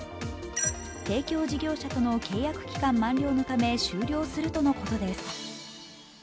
提供事業者との契約期間満了のため終了するということです。